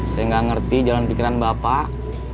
saya gak ngerti jalan pikiran bapak